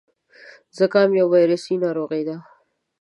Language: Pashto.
زکام يو وايرسي ناروغي ده.